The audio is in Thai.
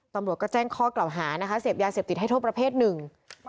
ตำรวจก็แจ้งข้อกล่าวหานะคะเสพยาเสพติดให้โทษประเภทหนึ่ง